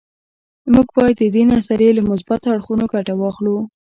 موږ باید د دې نظریې له مثبتو اړخونو ګټه واخلو